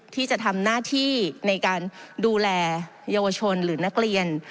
ที่จะทำหน้าที่ในการดูแลเยาวชนหรือนักเรียน